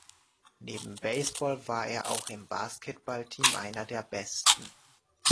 Neben Baseball war er auch im Basketball-Team einer der Besten.